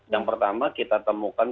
yang pertama kita temukan